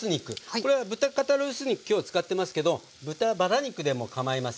これは豚肩ロース肉今日使ってますけど豚バラ肉でもかまいません。